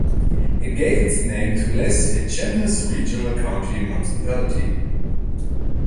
It gave its name to Les Etchemins Regional County Municipality.